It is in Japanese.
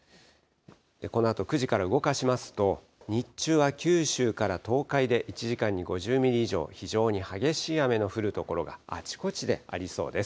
このあと９時から動かしますと、日中は九州から東海で１時間に５０ミリ以上、非常に激しい雨の降る所があちこちでありそうです。